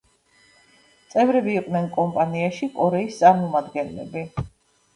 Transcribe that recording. წევრები იყვნენ კომპანიაში კორეის წარმომადგენლები.